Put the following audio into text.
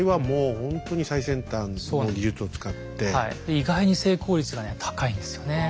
意外に成功率がね高いんですよね。